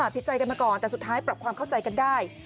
ผิดใจกันมาก่อนแต่สุดท้ายปรับความเข้าใจกันได้